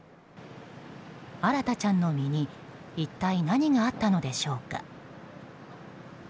新大ちゃんの身に一体何があったのでしょうか。